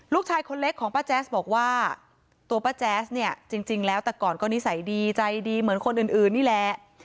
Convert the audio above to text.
ลูกชายคนเล็กของป้าแจ๊สบอกว่าตัวป้าแจ๊สเนี่ยจริงแล้วแต่ก่อนก็นิสัยดีใจดีเหมือนคนอื่นนี่แหละ